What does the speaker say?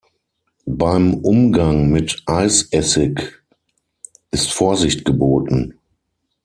Beim Umgang mit Eisessig ist Vorsicht geboten.